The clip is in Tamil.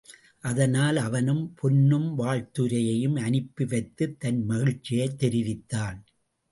அதனால் அவனும் பொன்னும், வாழ்த்துரையும் அனுப்பிவைத்துத் தன் மகிழ்ச்சியைத் தெரிவித்தான்.